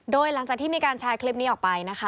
โดยหลังจากที่มีการแชร์คลิปนี้ออกไปนะคะ